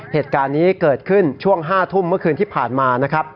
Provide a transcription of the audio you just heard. เหตุการณ์นี้เกิดขึ้นช่วง๕ทุ่มเมื่อคืนที่ผ่านมานะครับ